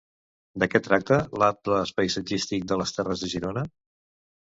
De què tracta "L'Atles paisatgístic de les terres de Girona"?